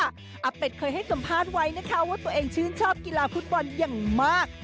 อาเป็ดเคยให้สัมภาษณ์ไว้นะคะว่าตัวเองชื่นชอบกีฬาฟุตบอลอย่างมาก